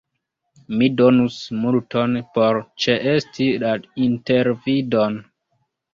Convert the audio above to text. Mi donus multon por ĉeesti la intervidon.